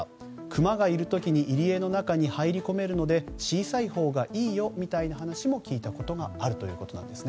クマがいる時に入り江の中に入り込めるので小さいほうがいいよみたいな話も聞いたことがあるとのことです。